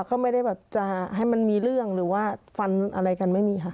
ก็ไม่ได้แบบจะให้มันมีเรื่องหรือว่าฟันอะไรกันไม่มีค่ะ